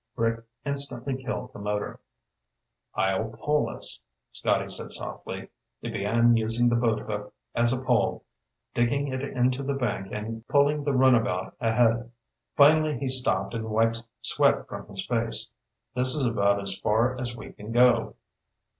Rick instantly killed the motor. "I'll pole us," Scotty said softly. He began using the boat hook as a pole, digging it into the bank and pulling the runabout ahead. Finally he stopped, and wiped sweat from his face. "This is about as far as we can go."